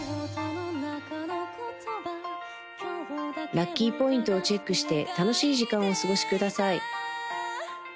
ラッキーポイントをチェックして楽しい時間をお過ごしください